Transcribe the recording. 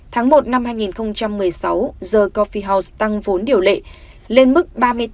tháng một năm hai nghìn một mươi sáu g coffi house tăng vốn điều lệ lên mức ba mươi tám